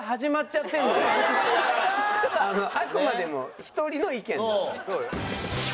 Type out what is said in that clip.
あくまでも１人の意見ですから。